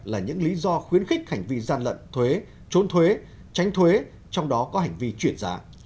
là những lý do khuyến khích hành vi gian lận thuế trốn thuế tránh thuế trong đó có hành vi chuyển giá